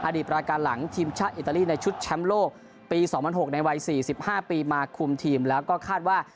ประการหลังทีมชาติอิตาลีในชุดแชมป์โลกปี๒๐๐๖ในวัย๔๕ปีมาคุมทีมแล้วก็คาดว่า